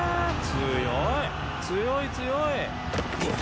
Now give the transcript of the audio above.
強い強い。